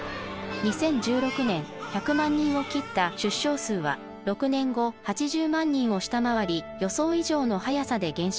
２０１６年１００万人を切った出生数は６年後８０万人を下回り予想以上の速さで減少。